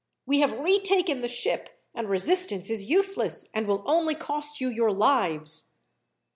We have retaken the ship, and resistance is useless, and will only cost you your lives."